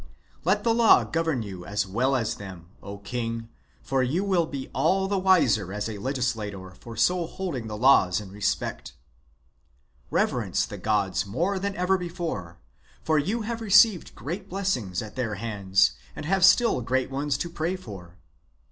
Let the law govern you as well as them, _Oxking; for you will be all the wiser as a legislator for | so holding the laws in respect. Reverence the gods _ more than ever before, for you have received great blessings at their hands and have still great ones to | pray for.